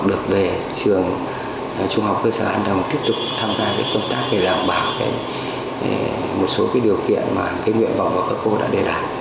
được về trường trung học cơ sở an đồng tiếp tục tham gia cái công tác